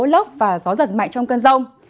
số lốc và gió giật mạnh trong cơn rông